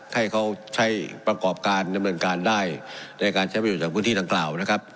ให้เขาใช้ประกอบการดำเนินการได้ในการใช้ประโยชนจากพื้นที่ดังกล่าวนะครับ